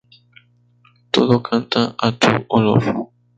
Todo canta a tu olor.